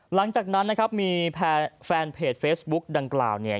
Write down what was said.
หลังจากนั้นนะครับมีแฟนเพจเฟซบุ๊กดังกล่าวเนี่ย